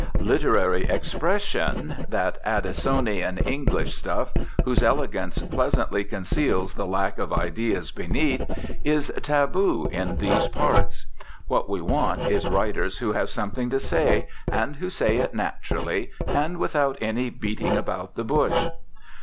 "Literary expression," that Addisonian English stuff, whose elegance pleasantly conceals the lack of ideas beneath, is taboo in these parts. What we want is writers who have something to say, and who say it naturally and without any beating about the bush.